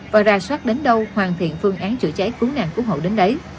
và rà soát đến đâu hoàn thiện phương án chữa cháy cú nạn cú hộ đến đấy